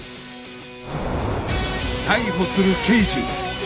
逮捕する刑事